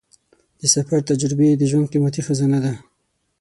د سفر تجربې د ژوند قیمتي خزانه ده.